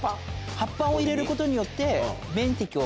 葉っぱを入れることによって。